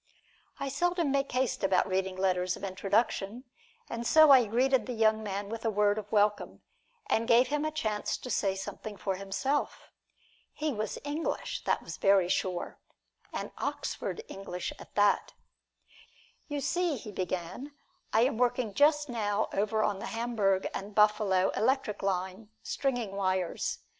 I seldom make haste about reading letters of introduction, and so I greeted the young man with a word of welcome, and gave him a chance to say something for himself. He was English, that was very sure and Oxford English at that. "You see," he began, "I am working just now over on the Hamburg and Buffalo Electric Line, stringing wires.